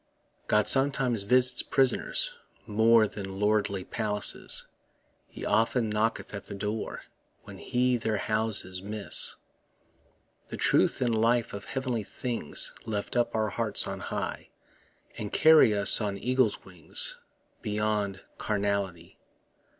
God sometimes visits prisoners more Than lordly palaces; He often knocketh at the door When he their houses miss. The truth and life of heav'nly things Lift up our hearts on high, And carry us on eagles' wings Beyond carnality.